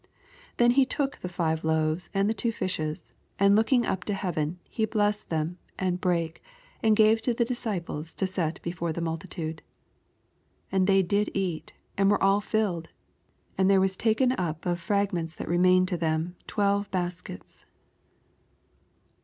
16 Then ho took the five loaves and the two fishes, and looking up to hea ven, he blessed them, and brake, and gave to the disciples to set before the multitude. 17 And thev did eat, and were all filled: and there was taken up of fhiffments that remained to them twelve baskets.